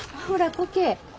ほらこけえ